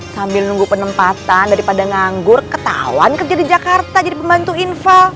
sambil nunggu penempatan daripada nganggur ketahuan kerja di jakarta jadi pembantu infal